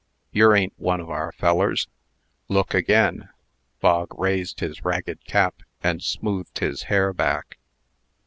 Yer a'n't one of our fellers." "Look again." Bog raised his ragged cap, and smoothed his hair back.